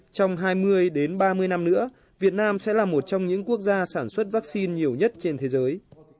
trong hai mươi đến ba mươi năm nữa việt nam sẽ là một trong những quốc gia sản xuất vaccine nhiều nhất trên thế giới